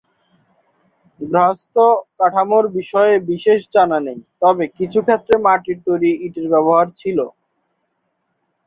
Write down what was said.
গার্হস্থ্য কাঠামোর বিষয়ে বিশেষ জানা নেই, তবে কিছু ক্ষেত্রে মাটির তৈরী ইটের ব্যবহার ছিল।